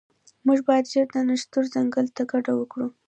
موږ باید ژر د نښترو ځنګل ته کډه وکړو